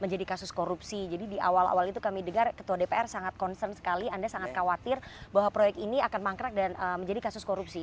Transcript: menjadi kasus korupsi jadi di awal awal itu kami dengar ketua dpr sangat concern sekali anda sangat khawatir bahwa proyek ini akan mangkrak dan menjadi kasus korupsi